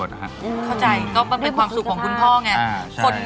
เข้าใจก็เป็นความสุขของคุณพ่อไง